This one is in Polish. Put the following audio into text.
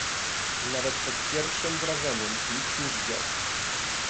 "Nawet pod pierwszem wrażeniem nic nie widział."